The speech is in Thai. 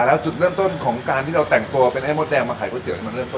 เป็นจิดตัวปราณึงหรรระพี่